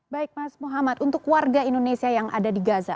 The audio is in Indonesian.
baik mas muhammad untuk warga indonesia yang ada di gaza